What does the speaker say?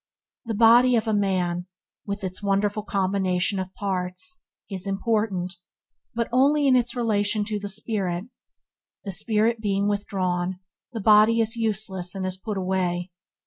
The body of a man, with its wonderful combination of parts, is important, but only in its relation to the spirit. The spirit being withdrawn, the body is useless and is put away.